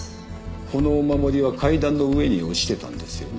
このお守りは階段の上に落ちてたんですよね？